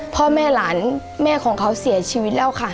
พ่อแม่หลานแม่ของเขาเสียชีวิตแล้วค่ะ